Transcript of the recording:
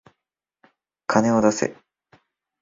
金を出せ。